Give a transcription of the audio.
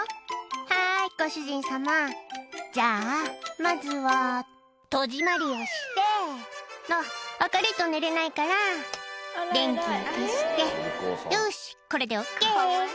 「はいご主人様じゃあまずは戸締まりをしてあっ明るいと寝れないから電気を消してよしこれでＯＫ」